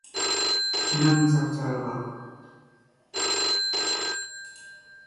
She was renamed "Auriga".